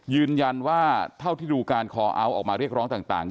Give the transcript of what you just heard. ยืนยันว่าเท่าที่ดูการคอร์เอาท์ออกมาเรียกร้องต่าง